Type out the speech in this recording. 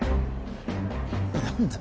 何だ